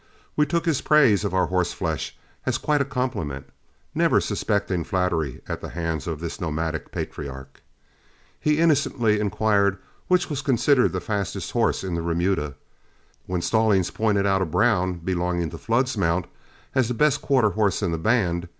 We took his praise of our horseflesh as quite a compliment, never suspecting flattery at the hands of this nomadic patriarch. He innocently inquired which was considered the fastest horse in the remuda, when Stallings pointed out a brown, belonging to Flood's mount, as the best quarter horse in the band.